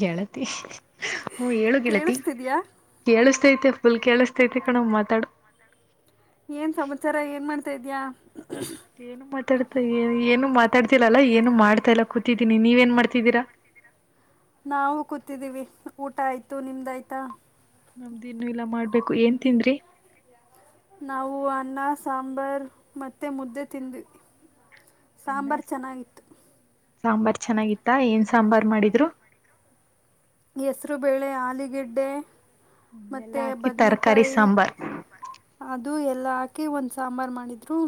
ಗೆಳತಿ ಹ ಹೇಳು ಗೆಳತಿ. ಕೇಳಿಸ್ತಿದ್ಯಾ ಕೇಳಿಸ್ತೈತೆ ಫುಲ್ ಕೇಳಿಸ್ತೈತೆ ಕಣ್ ಮಾತಾಡು. ಏನ್ ಸಮಾಚಾರ ಏನ್ ಮಾಡ್ತಾ ಇದ್ಯಾ. ಏನು ಮಾತಾಡ್ತಾ ಏನು ಮಾತಾಡ್ತಿಲ್ಲ ಏನು ಮಾಡ್ತಾ ಇಲ್ಲ ಕೂತಿದ್ದೀನಿ ನೀವ ಏನ್ ಮಾಡ್ತಿದ್ದೀರಾ. ನಾವು ಕೂತಿದ್ದೀವಿ ಊಟ ಆಯ್ತು ನಿಮ್ದ ಆಯ್ತಾ. ನಮ್ದ ಇನ್ನು ಇಲ್ಲ ಮಾಡಬೇಕು ಏನ ತಿಂದ್ರೀ. ನಾವು ಅನ್ನ ಸಾಂಬಾರ್ ಮತ್ತೆ ಮುದ್ದೆ ತಿಂದ್ವಿ. ಅನ್ನ ಸಾಂಬಾರ್ ಚೆನ್ನಾಗಿತ್ತು ಸಾಂಬಾರ್ ಚೆನ್ನಾಗಿತ್ತ ಏನ್ ಸಾಂಬಾರ್ ಮಾಡಿದ್ರು. ಹೆಸರು ಬೆೇಳೆ ಆಲಿಗೆಡ್ಡೆ ಮತ್ತೆ ಎಲ್ಲಾ ಹಾಕಿ ತರಕಾರಿ ಬದ್ನೇಕಾಯಿ ಸಾಂಬಾರ್ [unintelligible] ಅದು ಎಲ್ಲ ಹಾಕಿ ಒಂದ ಸಾಂಬಾರ್ ಮಾಡಿದ್ರು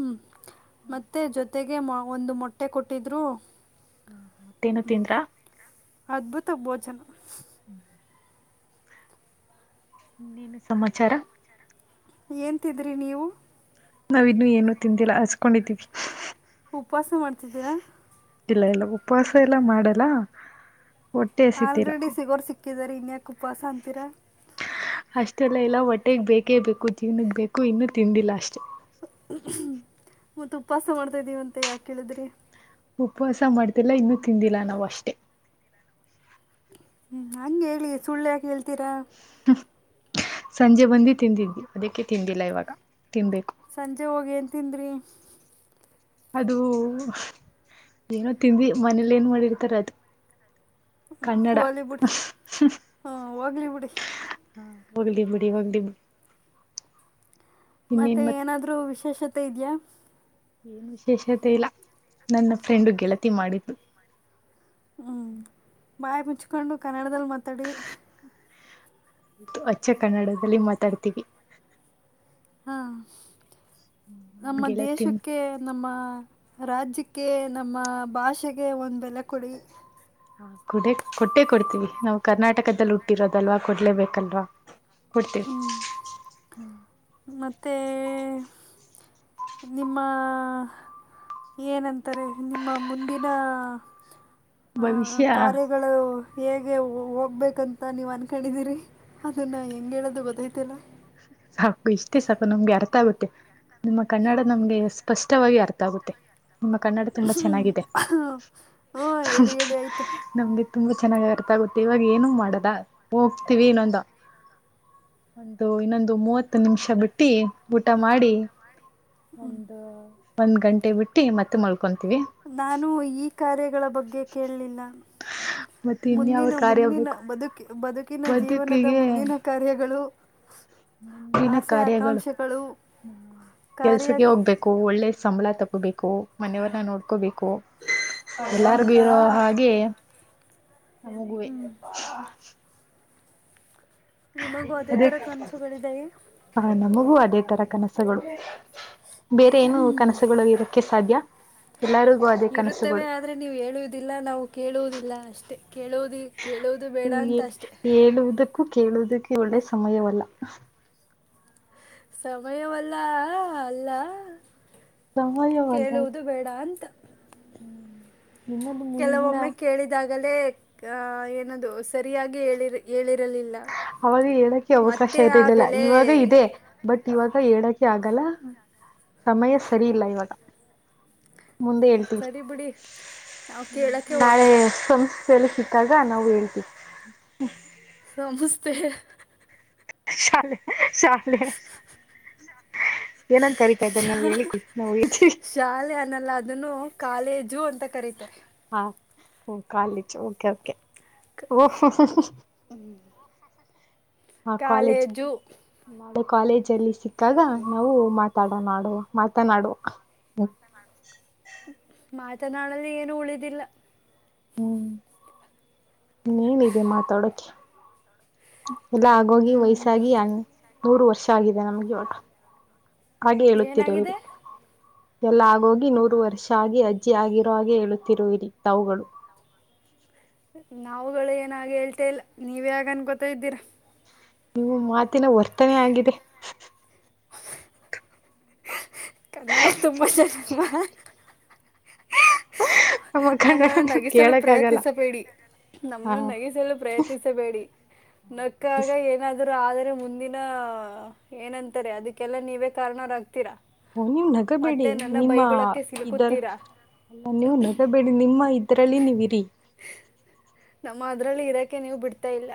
ಮತ್ತೆ ಜೊತೆಗ ಒಂದು ಮೊಟ್ಟೆ ಕೊಟ್ಟಿದ್ರು. ಹಾ ಮಟ್ಟೇನು ತಿಂದ್ರಾ. ಅದ್ಭುತ ಭೋಜನ. ಹ್ಮ. ಇನ್ನೇನು ಸಮಾಚಾರ. ಏನ ತಿಂದ್ರಿ ನೀವು. ನಾವ ಇನ್ನು ಏನು ತಿಂದಿಲ್ಲಾ ಹಚ್ಕೊಂಡಿದೀವಿ. ಉಪವಾಸ ಮಾಡ್ತಿದ್ದೀರಾ. ಇಲ್ಲ ಎಲ್ಲ ಉಪವಾಸ ಎಲ್ಲ ಮಾಡಲ್ಲ. ಹೊಟ್ಟೆ ಹಸಿತಿಲ್ಲ ಆಲ್ರೆಡಿ ಸಿಗೋರ ಸಿಕ್ಕಿದಾರ ಇನ್ಯಕ ಉಪವಾಸ ಅಂತೀರಾ. ಅಷ್ಟೆಲ್ಲ ಇಲ್ಲ ಹೊಟ್ಟೆಗ ಬೇಕೇ ಬೇಕು ಜೀವ್ನಗ ಬೇಕು ಇನ್ನೂ ತಿಂದಿಲ್ಲ ಅಷ್ಟೆ. ಮತ್ತ ಉಪವಾಸ ಮಾಡ್ತಾದೀವಂತ ಯಾಕ ಹೇಳಿದ್ರಿ. ಉಪವಾಸ ಮಾಡ್ತಿಲ್ಲ ಇನ್ನು ತಿಂದಿಲ್ಲ ನಾವ ಅಷ್ಟೇ. ಹ್ಮ ಹಂಗ ಹೇಳಿ ಸುಳ್ಳ ಯಾಕ ಹೇಳ್ತೀರಾ. ಸಂಜೆ ಬಂದು ತಿಂದಿದ್ವಿ ಅದಕ್ಕೆ ತಿಂದಿಲ್ಲ ಇವಾಗ ತಿನ್ಬೇಕು ಸಂಜೆ ಹೋಗಿ ಏನ್ ತಿಂದ್ರಿ ಅದು ಏನೋ ತಿಂದ್ವಿ ಮನೇಲಿ ಏನ್ ಮಾಡಿರ್ತಾರ ಅದು ಹ್ಮ ಕನ್ನಡ ಹೋಲಿಬಿಡು ಹ್ಮ್ಮ್ ಹೋಗ್ಲಿಬಿಡಿ ಹಾ ಹೋಗ್ಲಿ ಬಿಡಿ ಹೋಗ್ಲಿ ಬಿಡಿ ಇನ್ನೇನ್ ಮತ್ತೆ ಮತ್ ಏನಾದ್ರೂ ವಿಶೇಷತೆ ಇದ್ಯಾ ಏನ್ ವಿಶೇಷತೆ ಇಲ್ಲ ನನ್ನ ಫ್ರೆಂಡು ಗೆಳತಿ ಮಾಡಿದ್ದು ಹ್ಞೂ ಬಾಯಿ ಮುಚ್ಕೊಂಡು ಕನ್ನಡದಲ್ಲಿ ಮಾತಾಡಿ ಅಚ್ಚ ಕನ್ನಡದಲ್ಲಿ ಮಾತಾಡ್ತೀವಿ ಹಾ ನನ್ ನಮ್ಮ ಗೆಳತಿ ದೇಶಕ್ಕೆ ನಮ್ಮ ರಾಜ್ಯಕ್ಕೆ ನಮ್ಮ ಭಾಷೆಗೆ ಒಂದು ಬೆಲೆ ಕೊಡಿ ಹಾ ಕೊಡೆ ಕೊಟ್ಟೆ ಕೊಡ್ತೀವಿ ನಾವು ಕರ್ನಾಟಕದಲ್ಲಿ ಹುಟ್ಟಿರೋದಲ್ವಾ ಕೊಡ್ಲೇಬೇಕಲ್ವಾ ಕೊಡ್ತಿವಿ ಮತ್ತೆ ನಿಮ್ಮ ಏನಂತಾರೆ ನಿಮ್ಮ ಮುಂದಿನ ಆ ಭವಿಷ್ಯ ಕಾರ್ಯ ಗಳು ಹೇಗೆ ಹೋಗ್ಬೇಕಂತ ನೀವ್ ಅನ್ಕೊಂಡಿದಿರಿ ಅದನ್ನ ಹೆಂಗ ಹೇಳೋದು ಗೊತ್ತೈತಿಲ್ಲ ಸಾಕು ಇಷ್ಟೇ ಸಾಕು ನಮ್ಗೆ ಅರ್ಥ ಆಗುತ್ತೆ ನಿಮ್ಮ ಕನ್ನಡ ನಮ್ಗೆ ಸ್ಪಷ್ಟವಾಗಿ ಅರ್ಥ ಆಗುತ್ತೆ ನಿಮ್ಮ ಕನ್ನಡ ತುಂಬಾ ಚೆನ್ನಾಗಿದೆ ಹ್ಞೂ ಹೇಳಿ ಹೇಳಿ ಆಯಿತು ನಮ್ಗೆ ತುಂಬಾ ಚೆನ್ನಾಗ ಅರ್ಥಗುತ್ತೆ ಇವಾಗ ಏನು ಮಾಡೋದ ಹೋಗ್ತಿವಿ ಇನ್ನೊಂದು ದು ಇನ್ನೊಂದು ಮೂವತ್ತು ನಿಮಿಷ ಬಿಟ್ಟು ಊಟ ಮಾಡಿ ಒಂದು ಒಂದ್ ಗಂಟೆ ಬಿಟ್ಟು ಮತ್ತೆ ಮಳ್ಕೊಂತೀವಿ ನಾನು ಈ ಕಾರ್ಯಗಳ ಬಗ್ಗೆ ಕೇಳಲಿಲ್ಲ ಮತ್ತೆ ಇನ್ಯಾವ ಮುಂದಿನ ಕಾರ್ಯ ಮುಂದಿನ ಬೇಕು ಬದುಕಿ ಬದುಕಿನ ಜೀವನದ ಬದುಕಿಗೆ ಮುಂದಿನ ಕಾರ್ಯಗಳು ಮುಂದಿನ ಆಸೆ ಕಾರ್ಯಗಳು ಆಕಾಂಕ್ಷೆಗಳು ಕೆಲ್ಸಕ್ಕೆ ಕಾರ್ಯ ಹೋಗ್ಬೇಕು ಒಳ್ಳೆ ಸಂಬಳ ತಗೋ ಗೋಬೇಕು ಮನೆಯವರ್ನ್ನ ನೋಡ್ಕೋಬೇಕು ಎಲ್ಲಾರಿಗು ಇರೋ ಹಾಗೆ ನಂಗುವೆ ನಿಮಗು ಅದೇ ತರ ಕನಸುಗಳಿವೆಯೇ ಹಾ ನಮಗೂ ಅದೇ ತರ ಕನಸುಗಳು ಬೇರೆ ಏನು ಕನಸುಗಳು ಇರಕ್ಕೆ ಸಾಧ್ಯ ಎಲ್ಲರಿಗೂ ಅ ಇರುತ್ತವೆ ಆದ್ರರೆ ನೀವು ಹೇಳುವುದಿಲ್ಲ ನಾವು ಕೇಳುವುದಿಲ್ಲ ಅಷ್ಟೇ ಕೇಳುವುದಿ ಅದು ಹೇಳುವುದಕ್ಕೂ ಕೇಳುವುದಕ್ಕೆ ಒಳ್ಳೆ ಸಮಯವಲ್ಲ ಸಮಯವಲ್ಲ ಅಲ್ಲ ಕೇಳುವುದು ಬೇಡ ಅಂತ ಹ್ಮ್ ಕೆಲವೊಮ್ಮೆ ಕೇಳಿದಾಗಲೇ ಏನದು ಸರಿಯಾಗಿ ಹೇಳಿ ಹೇಳಿರಲಿಲ್ಲ ಅವಾಗ ಹೇಳಕ್ಕೆ ಅವಕಾಶ ಮತ್ತೆ ಆ ಇರಲಿಲ್ಲ ಬೆಲೆ ಇವಾಗ ಇದೆ ಬಟ್ ಇವಾಗ ಹೇಳಕೆ ಆಗಲ್ಲ ಸಮಯ ಸರಿ ಇಲ್ಲ ಇವಾಗ ಮುಂದೆ ಹೇಳ್ತೀವಿ ಸರಿ ಬಿಡಿ ನಾವು ಕೇಳೋಕ್ಕೆ ನಾಳೆ ಹೋಗಲ್ಲ ಸಲಸಿದಾಗ ನಾವು ಹೇಳ್ತಿವಿ ಸಮಸ್ತೆ ಹೆ ಶಾಲ ಶ ಏನಂಗ ಕರಿತಾಯ್ತಾರೆ ನಮಗೆ ಶಾ- ಹೇಳಿಕೊಡಿ ನಾ ಹೇಳ್ತಿವಿ ಶಾಲೆ ಅನ್ನಲ್ಲ ಅದನ್ನು ಕಾಲೇಜು ಅಂತ ಕರೀತಾರೆ ಹಾ ಕಾಲೇಜು ಓಕೆ ಓಕೆ ಓ ಆ ಕಾಲೇಜ್ ಕಾಲೇಜು ನಾಳೆ ಕಾಲೇಜ ಅಲ್ಲಿ ಸಿಕ್ಕಾಗ ನಾವು ಮಾತಾಡೋ ನಾಡೋ ಮಾತನಾಡುವ ಮಾತನಾಡಲು ಏನು ಉಳಿದಿಲ್ಲ ಹ್ಮ್ ಇನ್ನೇಏನಿದೆ ಮಾತಾಡಕೆ ಎಲ್ಲ ಆಗೋಗಿ ಹ್ಮ್ ವಯಸ್ಸಾಗಿಣ ನೂರು ವರ್ಷ ಆಗಿದೆ ನಮ್ಗೆ ಹಾಗೆ ಹೇಳುತ್ತಿರ ಏನಾಗಿದೆ ಎಲ್ಲ ಆಗೋಗಿ ನೂರು ವರ್ಷ ಆಗಿ ಅಜ್ಜಿಗಿರೋ ಹಾಗೆ ಹೇಳುತ್ತಿರುವಿರಿ ತಾವುಗಳು ನಾವುಗಳು ಏನ ಹಾಗೆ ಹೇಳ್ತೆೇ ಇಲ್ಲ ನೀವೇ ಹಾಗೆ ಅನ್ಕೋತಾ ಇದ್ದೀರಾ ನಿಮ್ಮ ಮಾತಿನ ವರ್ತನೆ ಆಗಿದೆ ಕನ್ನಡ ತುಂಬಾ ಚೆನ್ನಾಗಿ ಮಾತಾಡ್ತಾ ನಮ್ಮ ನಮ್ಮನ್ನು ಕನ್ನಡ ನಗಿಸಲು ಕೇಳಕ್ ಆಗಲ್ಲ ಪ್ರಯತ್ನಿಸಬೇಡಿ ಹ ನಮ್ಮನ್ನು ನಗಿಸಲು ಪ್ರಯತ್ನಿಸಬೇಡಿ ನಕ್ಕಾಗ ಏನಾದರೂ ಆದರೆ ಮುಂದಿನ ಏನಂತಾರೆ ಅದಕ್ಕೆಲ್ಲಾ ನೀವೇ ಕಾರಣರಾಗ್ತೀರಾ ಓ ನೀವು್ ನಗಬೇಡಿ ಮತ್ತೆ ನನ್ನ ನಿಮ್ಮ ಬೈಗುಳಕ್ಕೆ ಇದರ್ ಸಿಲುಕುತ್ತೀರಾ ನೀವು್ ನಗಬೇಡಿ ಬೇಡಿ ನಿಮ್ಮ ಇದ್ರಲ್ಲಿ ನೀವು ಇರಿ ನಮ್ಮ ಅದ್ರಲ್ಲಿ ಇರಾಕೆ ನೀವು ಬಿಡ್ತಾ ಇಲ್ಲ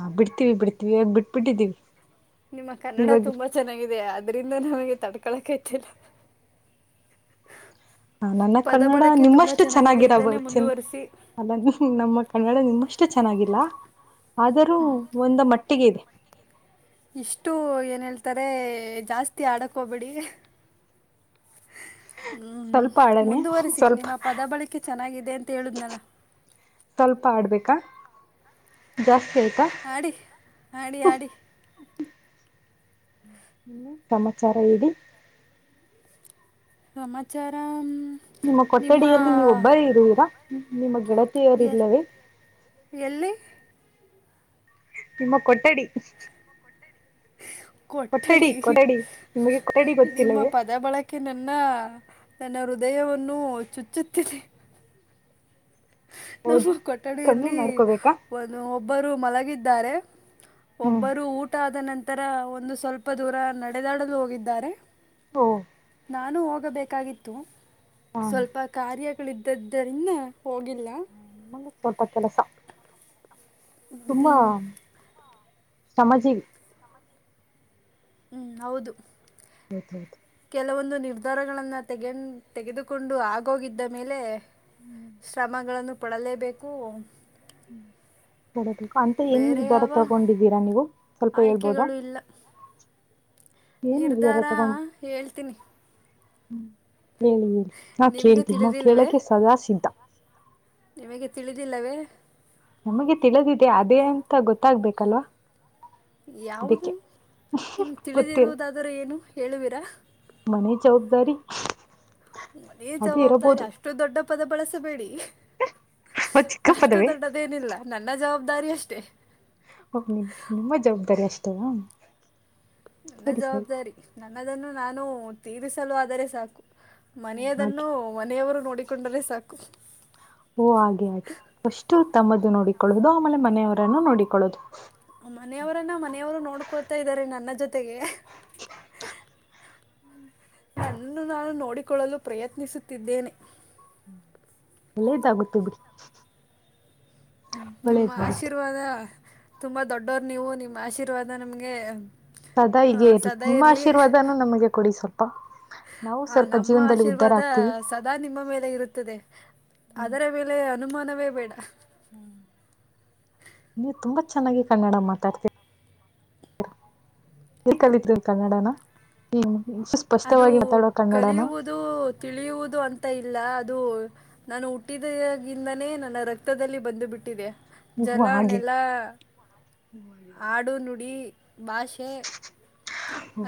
ಹಾ ಬಿಡ್ತೀವಿ ಬಿಡ್ತೀವಿ ಇವಾಗ ಬಿಟ್ಬಿಟ್ಟಿದ್ದೀವಿ ನಿಮ್ಮ ಕನ್ನಡ ಇವಾಗ ತುಂಬಾ ಚೆನ್ನಾಗಿದೆ ಅದ್ರಿಂದ ನಮಗೆ ತಡ್ಕೊಳಕ ಆಗ್ತಿಲ್ಲ ಹ ನನ್ನ ಕನ್ನಡ ನಿಮ್ಮಷ್ಟು ಚೆನ್ನಾಗಿದೆ ಚೆನ್ನಾಗಿರಲ ಇದನ್ನೇ ಚಿನ್ ಮುಂದುವರಿಸಿ ಅಲ್ಲ ನಿಮ್ಮ ನಮ್ಮ ಕನ್ನಡ ನಿಮ್ಮಷ್ಟು ಚೆನ್ನಾಗಿಲ್ಲ ಆದರೂ ಒಂದ ಮಟ್ಟಿಗೆ ಇದೆ ಇಷ್ಟು ಏನ ಹೇಳ್ತಾರೆ ಜಾಸ್ತಿ ಆಡಕ್ಕ ಹೋಗ್ಬೇಡಿ ಹ್ಮ್ ಸ್ವಲ್ಪ ಆಡನೆ ಮುಂದುವರಿಸಿ ಸ್ವಲ್ಪ ನಿಮ್ಮ ಪದ ಬಳಕೆ ಚೆನ್ನಾಗಿದೆ ಅಂತ ಹೇಳುದ್ನಲ್ಲ ಸ್ವಲ್ಪ ಆಡ್ಬೇಕಾ, ಜಾಸ್ತಿ ಆಯತ ಆಡಿ ಆಡಿ ಆಡಿ ಹ್ಮ ಸಮಾಚಾರ ಹೇಳಿ ಸಮಾಚಾರ ಹ್ಮ್ ನಿಮ್ಮ ಕೊಠಡಿಯಲ್ಲಿ ನೀವು ಒಬ್ಬರೆ ಇರುವೀರಾ ನಿಮ್ಮ ಗೆಳತಿಯರು ಎಲ್ ಇಲ್ಲವೇ ಎಲ್ಲಿ ನಿಮ್ಮ ಕೊಠಡಿ ಕೊಠಡಿ ಕೊಠಡಿ ನಿಮಗೆ ಕೊಠಡಿ ನಿಮ್ಮ ಗೊತ್ತಿಲ್ಲವೇ ಪದ ಬಳಕೆ ಕ್ಕೆ ನನ್ನ ನನ್ನ ಹೃದಯವನ್ನು ಚುಚ್ಚುತ್ತಿದೆ ನಮ್ಮ ಹೌದಾ ಕಮ್ಮಿ ಕೊಠಡಿಯಲ್ಲಿ ಮಾಡ್ಕೋಬೇಕಾ ಒಂದು ಒಬ್ಬರು ಮಲಗಿದ್ದಾರೆ ಹ್ಮ್ ಒಬ್ಬರು ಊಟ ಆದ ನಂತ ತರ ಒಂದು ಸ್ವಲ್ಪ ದೂರ ನಡೆದಾಡಲು ಹೋಗಿದ್ದಾರೆ ಓ ನಾನು ಹೋಗಬೇಕಾಗಿತ್ತು ಹ ಸ್ವಲ್ಪ ಕಾರ್ಯಗಳಿದ್ದದ ರಿಂದ ಹೋಗಿಲ್ಲ ನಿಮಂಗ ಸ್ವಲ್ಪ ಕೆಲಸ ತುಂಬಾ ಹ್ಮ್, ಶ್ರಮ ಜೀವಿ ಹೂ ಹೌದು ಹೌದ ಹೌದು ಕೆಲವೊಂದು ನಿರ್ಧಾರಗಳನ್ನು ತೆಗೆನ್ದ ತೆಗೆದುಕೊಂಡು ಆಗೋಗಿದ್ದ ಮೇಲೆ ಶ್ರಮಗಳನ್ನು ಪಡಲೇಬೇಕು ಬೇಕ ಅಂತ ಏನ್ ಬೇರೆ ನಿರ್ಧಾರ ಯಾವ ತಗೊಂಡಿದ್ದೀರಾ ನೀವು ಸ್ವಲ್ಪ ಹೇಳ್ಬೋದಾ [inaudible] ಆಯ್ಕೆಗಳು ಇಲ್ಲ ನಿರ್ಧಾರ ಹೇಳ್ತೀನಿ ಹ್ಮ ಹೇಳಿ ಹೇಳಿ ನಾ ನಿಮಗೆ ಕೇಳ್ತೀನಿ ನಾ ತಿಳಿದಿಲ್ಲವೇ ಕೇಳಕ್ಕೆ ಸದಾ ಸಿದ್ಧ ನಿಮಗೆ ತಿಳಿದಿಲ್ಲವೇ ನಮಗೆ ತಿಳಿದಿದೆ ಅದೇ ಅಂತ ಗೊತ್ತಾಗ್ಬೇಕಲ್ವಾ ಯಾವುದು ಅದಕ್ಕೆ ಹ್ನು ಗೊತ್ತಿಲ್ಲ ಅಂದರೆ ಏನು ಹೇಳುವೀರಾ ಮನೆ ಜವಾಬ್ದಾರಿ ಮನೆ ಅದೇ ಜವಾಬ್ದಾರಿ ಇರಬಹುದು ಅಷ್ಟು ದೊಡ್ಡ ಪದ ಬಳಸಬೇಡಿ ಚಿಕ್ಕ ಅಷ್ಟು ಪದವೇ ದೊಡ್ಡ ದೆನಿಲ್ಲ ನನ್ನ ಜವಾಬ್ದಾರಿ ಅಷ್ಟೇ. ಓ ಓ ನಿಮ್ಮ ಜವಾಬ್ದಾರಿ ಅಷ್ಟೇನಾ ನನ್ನ ಜವಾಬ್ದಾರಿ ನನ್ನದನ್ನು ನಾನು ತೀರಿಸಲು ಆದರೆ ಸಾಕು ಹಾಗೆ ಮನೆಯದನ್ನು ಮನೆಯವರು ನೋಡಿಕೊಂಡರೆ ಸಾಕು ಓ ಹಾಗೆ ಹಾಗೆ ಪಸ್ಟು ತಮ್ಮದು ನೋಡಿಕೊಳ್ಳೋದು ಆಮೇಲೆ ಮನೆಯವರನ್ನು ನೋಡಿಕೊಳ್ಳೋದು ಮನೆಯವರನ್ನು ಮನೆಯವರು ನೋಡ್ಕೊಳ್ತಾ ಇದಾರೆ ನನ್ನ ಜೊತೆಗೆ ಹ್ನ್ಮ್ ನನ್ನನ್ನು ನಾನು ನೋಡಿಕೊಳ್ಳಲು ಪ್ರಯತ್ನಿಸುತ್ತಿದ್ದೇನೆ. ಒಳ್ಳೇದಾಗುತ್ತೆ ಬಿಡಿ ನಿಮ್ಮ ಒಳ್ಳೇದಾಗುತ್ತೆ ಆಶೀರ್ವಾದ ತುಂಬ ದೊಡ್ಡವರು ನೀವು ನಿಮ್ಮ ಆಶೀರ್ವಾದ ನಮಗೆ ಸದಾ ಆ, ಹೀಗೇ ಇರ್ಲಿ ಸದಾ ನಿಮ್ಮ ಇರಲಿ ಆಶೀರ್ವಾದನು ನಮಗೆ ಕೊಡಿ ಸ್ವಲ್ಪ ನಾವು ಸ್ವಲ್ಪ ನಮ್ಮ ಜೀವನದಲ್ಲಿ ಉದ್ಧಾರ ಆಶೀರ್ವಾದ ಆಗ್ತಿವಿ ಸದಾ ನಿಮ್ಮ ಮೇಲೆ ಇರುತ್ತದೆ ಅದರ ಮೇಲೆ ಅನುಮಾನವೇ ಬೇಡ ನೀವು ತುಂಬಾ ಚೆನ್ನಾಗಿ ಕನ್ನಡ ಮಾತಾಡ್ತೀರ ಎಲ್ಲಿ ಕಲತ್ರಿ ಕನ್ನಡನಾ ಹ್ಮ್ ಇಷ್ಟು ಸ್ಪಷ್ಟವಾಗಿ ಮಾತಾಡುವ ಕನ್ನಡನ ಕಲಿಯುವುದು ಅದು ತಿಳಿಯುವುದು ಅಂತ ಇಲ್ಲ ಅದು ನಾನು ಹುಟ್ಟಿದಾಗಿಂದಾನೆ ನನ್ನ ರಕ್ತದಲ್ಲಿ ಬಂದು ಬಿಟ್ಟಿದೆ ಓ ಜಲ ಹಾಗೆ ಹಾಡು ನುಡಿ ಭಾಷೆ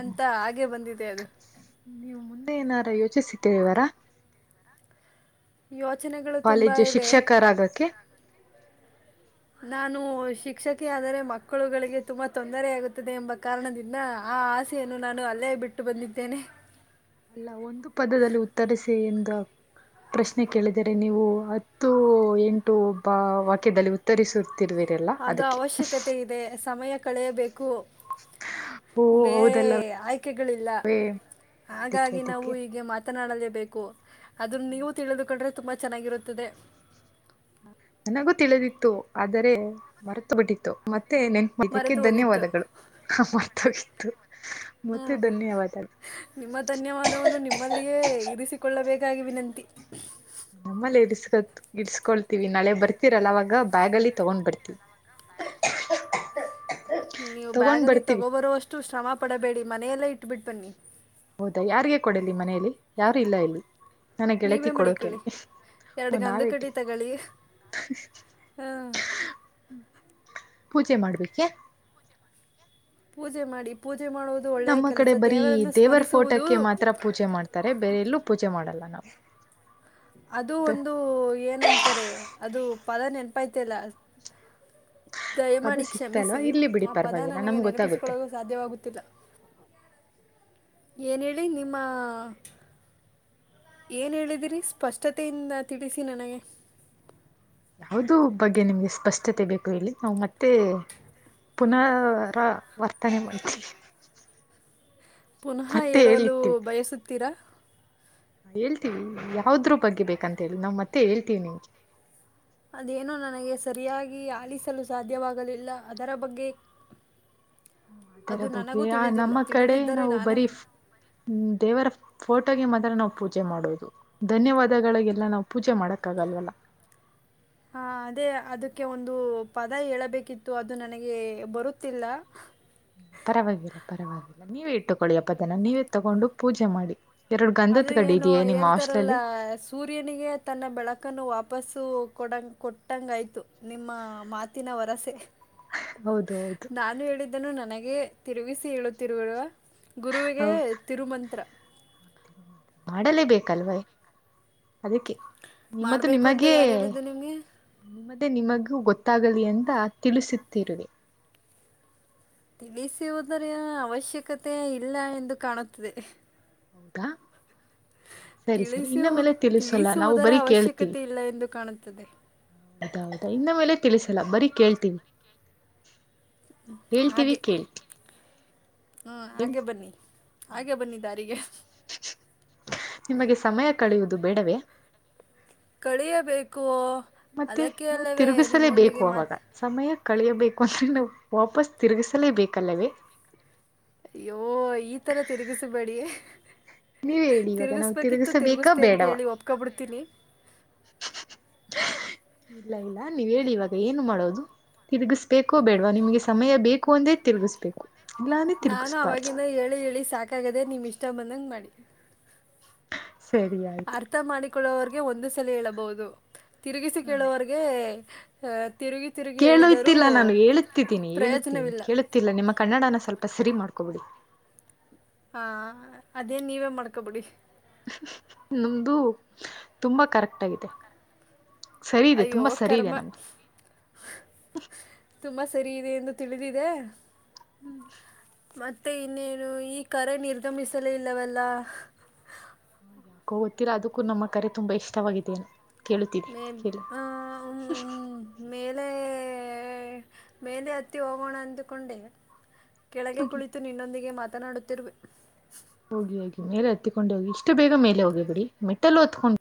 ಅಂತ ಹಾಗೆ ಬಂದಿದೆ ಅದು ನೀವು ಮುಂದೆ ಏನಾರು ಯೋಚಿಸಿದ್ದೀರಿವರಾ ಯೋಚನೆಗಳು ತುಂಬ ಇವೆ ತರಾಗಕ್ಕೆ ನಾನು ಶಿಕ್ಷಕಿಯ ಆದರೆ ಮಕ್ಕಳುಗಳಿಗೆ ತುಂಬಾ ತೊಂದರೆಯಾಗುತ್ತದೆ ಎಂಬ ಕಾರಣದಿಂದ ನ್ನ ಆ ಆಸೆಯನ್ನು ನಾನು ಅಲ್ಲೇ ಬಿಟ್ಟು ಬಂದಿದ್ದೇನೆ ಅಲ್ಲ ಒಂದು ಪದದಲ್ಲಿ ಉತ್ತರಿಸಿ ಎಂದ ಪ್ರಶ್ನೆ ಕೇಳಿದರೆ ನೀವು ಹತ್ತು ಎಂಟು ಪಾ ವಾಕ್ಯದಲ್ಲಿ ಉತ್ತರಿಸ್ ತಿರ್ರುವರೆಲ್ಲ ಅದಕ್ಕೆ ದೇ ಸಮಯ ಕಳೆಯಬೇಕು ಓ ಬೇರೆ ಹೌದಲ್ಲವೇ ಆಯ್ಕೆಗಳಿಲ್ಲ ಅದಕ್ಕೆ ಹಾಗಾಗಿ ನಾವು ಅದಕ್ಕೆ ಈಗೆ ಮತ್ ಮಾತನಾಡಲೇಬೇಕು ಅದನ್ನ ನೀವು ತಿಳಿದುಕೊಂಡ್ರೆ ತುಂಬಾ ಚೆನ್ನಾಗಿರುತ್ತದೆ ನನಗೂ ತಿಳಿದಿತ್ತು ಆದರೆ ಮರೆತ ಬಿಟ್ಟಿತ್ತು ಮತ್ತೆ ನೆನ್ ಇದಕ್ಕೆ ಮರೆತು ಹೋಗಿತ್ತು ಧನ್ಯವಾದಗಳು ಮಾರ್ತಾಗಿತು ಮತ್ತೆ ಹ್ಮ್. ಧನ್ಯವಾದಗಳು ನಿಮ್ಮ ಧನ್ಯವಾದವನು ನಿಮ್ಮಲ್ಲಿಯೇ ಇರಿಸಿಕೊಳ್ಳಬೇಕಾಗಿ ವಿನಂತಿ ನಮ್ಮಲ್ಲಿ ಇರ್ಸ್ಕ ಇಡಸ್ಕೊಳ್ತೀವಿ ನಳೆ ಬರ್ತತಿರಲ್ಲ ಅವಾಗ ಬ್ಯಾಗಲ್ಲಿ ತಗೊಂಡ್ ಬರ್ತಿವಿ ಆ [inaudible] [inaudible] ನೀವು ತಗೊಂಡ್ ಬ್ಯಾಗಲ್ಲಿ ಬರ್ತೀವಿ ತಗೋ ಬರೋಷ್ಟು ಶ್ರಮ ಪಡಬೇಡಿ ಮನೆಯಲ್ಲೇ ಇಟ್ಬಿಟ್ಟ ಬನ್ನಿ. ಹೌದಾ ಯಾರಿಗೆ ಕೊಡಲಿ ಮನೇಲಿ ಯಾರು ಇಲ್ಲ ಇಲ್ಲಿ ನನಗ್ ಗೆಳೆತಿ ನೀವೇ ಕೊಡೋಕೆ ಮಡಿಕೊಳ್ಳಿ ಅಲ್ಲಿ. ಎರಡು ಗಂಧದ ಕಡ್ಡಿ ತಗಳಿ ಹ್ಮ. ಪೂಜೆ ಮಾಡ್ಬೇಕೆ. ಪೂಜೆ ಮಾಡಿ ಪೂಜೆ ಮಾಡೋದು. ಒಳ್ಳೆಯ ನಮ್ಮ ಕಡೆ ಕೆಲಸ ಬರೀ ದೇವರನ್ನು ದೇವರ ಸ್ಮರಿಸುವುದು ಫೋಟಕ್ಕೆ ಮಾತ್ರ ಪೂಜೆ ಮಾಡ್ತಾರೆ ಬೇರೆ ಎಲ್ಲೂ ಪೂಜೆ ಮಾಡಲ್ಲ ನಾವು. ಅದು ಒಂದು ಏನಂತಾರೆ ಅದು ಪದ ನೆನಪ ಐತಿಲ್ಲ. ಪದ ದಯಮಾಡಿ ಸಿಕ್ತಲ್ವಾ ಕ್ಷಮಿಸಿ ಇಲ್ಲಿ ಬಿಡಿ ಆ ಪದ ಪರವಾಗಿಲ್ಲ ನನಗೆ ನಮ್ಗೆ ಗೊತ್ತಾಗುತ್ತೆ ನೆನಪಿಸಿಕೊಳ್ಳೋದು. ಸಾಧ್ಯವಾಗುತ್ತಿಲ್ಲ. ಏನ್ ಹೇಳಿ ನಿಮ್ಮ ಏನು ಹೇಳಿದಿರಿ ಸ್ಪಷ್ಟತೆಯಿಂದ ತಿಳಿಸಿ ನನಗೆ. ಯಾವುದರ ಬಗ್ಗೆ ನಿಮ್ಗೆ ಸ್ಪಷ್ಟತೆ ಬೇಕು ಹೇಳಿ ನಾವು ಮತ್ತೆ. ಪುನರ ವರ್ತನೆ ಮಾಡಿತೀನಿ. ಪುನಃ ಹೇಳಲು ಹೇಳಿರ್ತೀವಿ ಬಯಸುತ್ತೀರಾ. ಹೇಳ್ತೀವಿ ಯಾವುದ್ರ್ ಬಗ್ಗೆ ಬೇಕಂತ ಹೇಳಿ ನಾವ್ ಮತ್ತೆ ಹೇಳ್ತೀವಿ ನಿಮ್ಗೆ. ಅದೇನೂ ನನಗೆ ಸರಿಯಾಗಿ ಆಲಿಸಲು ಸಾಧ್ಯವಾಗಲಿಲ್ಲ ಅದರ ಬಗ್ಗೆ. ಅದು ನನಗೂ ಯ ತಿಳಿದಿಲ್ಲ ನಮ್ಮ ಕಡೆ ತಿಳಿದಿದ್ದರೆ ನಾವು ನಾನೇ ಬರೀ. ಹ್ಮ ದೇವರ ಫೋಟೋಗೆ ಮಾತ್ರ ನಾವು ಪೂಜೆ ಮಾಡೋುದು. ಧನ್ಯವಾದಗಳಿಗೆಲ್ಲ ನಾವು ಪೂಜೆ ಮಾಡಕ್ಕ ಆಗಲ್ವಲ್ಲ. ಹಾ ಅದೇ ಅದಕ್ಕೆ ಒಂದು ಪದ ಹೇಳಬೇಕಿತ್ತು ಅದು ನನಗೆ ಬರುತ್ತಿಲ್ಲ. ಪರವಾಗಿಲ್ಲ ಪರವಾಗಿಲ್ಲ ನೀವೇ ಇಟ್ಟುಕೊಳ್ಳಿ ಆ ಪದನ ನೀವೇ ತಗೊಂಡು ಪೂಜೆ ಮಾಡಿ. ಎರಡು ಅದು ಗಂಧತ್ ಕಡ್ಡಿ ಏನು ಇದೆಯೇ ನಿಮ್ಮ ಹಾಸ್ಟೆಲ್ ಹೇಳ್ತಾರಲ್ಲ ಅಲ್ಲಿ. ಸೂರ್ಯನಿಗೆ ತನ್ನ ಬೆಳಕನ್ನು ವಾಪಸ್ಸು ಕೊಡಂಗ ಕೊಟ್ಟಂಗಾಯ್ತು ನಿಮ್ಮ ಮಾತು. ಮಾತಿನ ವರಸೆ. ಹೌದು ಹೌದು. ನಾನು ಹೇಳಿದ್ದನ್ನು ನನಗೆ ತಿರುಗಿಸಿ ಹೇಳುತ್ತಿರುವಿರಾ ಗುರುವಿಗೆ ತಿರುಮಂತ್ರ. ಮಾಡಲೇ ಬೇಕಲ್ವೇ ಅದಕ್ಕೆ. ನಿಮ್ಮದು ಮಾಡಬೇಕು ಅಂತ ನಿಮಗೇ. ಯಾರು ಹೇಳಿದ್ದು ನಿಮಗೆ ನಿಮ್ಮದೇ ನಿಮಗೂ ಗೊತ್ತಾಗಲಿ ಅಂತ ತಿಳಿಸುತ್ತಿರುವೆ. ತಿಳಿಸುವುದರ ಅವಶ್ಯಕತೆ ಇಲ್ಲ ಎಂದು ಕಾಣುತ್ತದೆ. ಹೌದಾ ಸರಿ ಸರಿ ತಿಳಿಸು ಇನ್ನ್ ಮೇಲೆ ತಿಳಿಸಲ್ಲ ನಾವು ತಿಳಿಸುವುದರ ಬರೀ ಕೇಳ್ತೀವಿ. ಅವಶ್ಯಕತೆ ಇಲ್ಲ ಎಂದು ಕಾಣುತ್ತದೆ. ಹೌದಾ ಹೌದಾ ಇನ್ನ ಮೇಲೆ ತಿಳಿಸಲ್ಲ ಬರೀ ಕೇಳ್ತೀವಿ. ಹ್ಮ ಹೇಳ್ತೀವಿ ಹಾಗೆ. ಕೇಳ್ತೀವಿ ಹ್ಮ್ ಹಾಗೆ ಬನ್ನಿ ಹಾಗೆ ಬನ್ನಿ ದಾರಿಗೆ. ನಿಮಗೆ ಸಮಯ ಕಳಿಯುವುದು ಬೇಡವೇ. ಕಳೆಯಬೇಕು. ಮತ್ತೆ ಅದಕ್ಕೆ ನಾವು ಅಲ್ಲವೇ ತಿರುಗಿಸಲೇಬೇಕು ನಿಮ್ಮೊಂದಿಗೆ ಅವಾಗ. ಮಾತು ಸಮಯ ಕಳಿಯಬೇಕು ಅಂದ್ರೆ ನಾವು ವಾಪಸ್ ತಿರುಗಿಸಲೇಬೇಕಲ್ಲವೇ. ಐಯೋ ಈ ತರ ತಿರುಗಿಸಬೇಡಿ. ನೀವ ಹೇಳಿ ಇವಾಗ ನಾವು ತಿರುಗಿಸ್ಬೇಕಿತ್ತು ತಿರುಗಿಸಬೇಕಾ ತಿರ್ಗುಸದೇ ಅಂತ ಬೇಡವಾ ಹೇಳಿ ಒಪ್ಪಕೊ ಬಿಡ್ತೀನಿ. ಇಲ್ಲ ಇಲ್ಲ ನೀವ್ ಹೇಳಿ ಇವಾಗ ಏನು ಮಾಡೋದು. ತಿರುಗಿಸ್ಬೇಕೋ ಬೇಡವಾ ನಿಮಗೆ ಸಮಯ ಬೇಕು ಅಂದ್ರೇ ತಿರುಗಿಸ್ಬೇಕು. ಇಲ್ಲಾಂದ್ರೆ ನಾನು ತಿರುಗಿಸ್ಬಾರ್ದು ಅವವಾಗಿಂದ ಹೇಳಿ ಹೇಳಿ ಸಾಕಾಗದೆ ನಿಮ್ಮ್ ಇಷ್ಟ ಬಂದಂಗೆ ಮಾಡಿ. ಸರಿ ಆಯ್ತು ಅರ್ಥ ಮಾಡಿಕೊಳ್ಳುವವರಿಗೆ ಒಂದು ಸಲ ಹೇಳಬಹುದು ತಿರುಗಿಸಿ ಹ ಕೇಳುವರಗೆ ತಿರುಗಿ ತಿರುಗಿ ಹೇಳಿದರೂ ಕೇಳುತ್ತಿಲ್ಲ ನಾನು ಹೇಳುತ್ತಿದ್ದೀನಿ ಹೇಳುತ್ತೇನಿ ಪ್ರಯೋಜನವಿಲ್ಲ ಕೇಳುತ್ತಿಲ್ಲ ನಿಮ್ಮ ಕನ್ನಡನ ಸ್ವಲ್ಪ ಸರಿ ಮಾಡ್ಕೊಬಿಡಿ ಹ ಅದೇ ನೀವೇ ಮಾಡ್ಕೊಬಿಡಿ ನಮ್ದು ತುಂಬಾ ಕರೆಕ್ಟ್ ಆಗಿದೆ ಸರಿ ಇದೆ ತುಂಬಾ ಸರಿ ಇದೆ ನಮ್ದು ತುಂಬಾ ಸರಿ ಇದೆ ಎಂದು ತಿಳಿದಿದೆ ಹ್ಮ ಮತ್ತೆ ಇನ್ನೇನು ಈ ಕರೆ ನಿರ್ಗಮಿಸಲೇ ಇಲ್ಲವಲ್ಲ ಕೋತ್ತೀರಾ ಅದಕ್ಕೂ ನಮ್ಮ ಕರೆ ತುಂಬಾ ಇಷ್ಟವಾಗಿದ್ದೇನೆ ಮೇ ಹಾ ಹಾ ಹೂ ಹೂ ಮೇಲೆ ಹತ್ತಿ ಹೋಗೋಣ ಅಂದುಕೊಂಡೆ ಕೆಳಗೆ ಹೋಗಿ ಕುಳಿತು ನಿನ್ನೊಂದಿಗೆ ಮಾತನಾಡುತ್ತಿರುವೆ ಹೋಗಿ ಹೋಗಿ ಮೇಲೆ ಹತ್ತಿಕೊಂಡು ಹೋಗಿ ಇಷ್ಟು ಬೇಗ ಮೇಲೆ ಹೋಗಿದಿರಿ ಮೆಟಲ್ ಹತ್ಕೊಂಡು